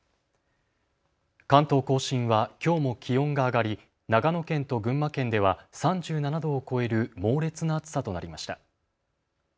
関東甲信はきょうも気温が上がり長野県と群馬県では３７度を超える猛烈な暑さとなりました。